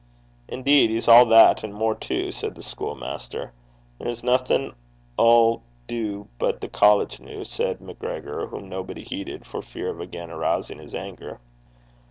'Indeed, he's all that, and more too,' said the school master. 'There's naething 'ull du but the college noo!' said MacGregor, whom nobody heeded, for fear of again rousing his anger.